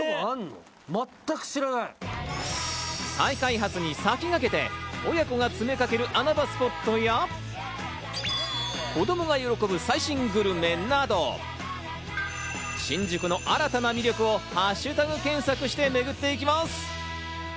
再開発に先駆けて、親子が詰め掛ける穴場スポットや、子供が喜ぶ最新グルメなど、新宿の新たな魅力をハッシュタグ検索して巡っていきます。